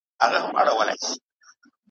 د ورور په وینو او له بدیو ,